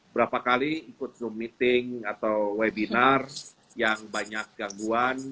berapa kali ikut zoom meeting atau webinar yang banyak gangguan